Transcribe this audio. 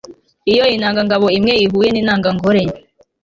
iyo intangangabo imwe ihuye n'intangangore